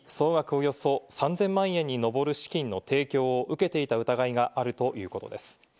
およそ３０００万円にのぼる資金の提供を受けていた疑いがあるということです。